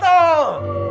tuh dua tiga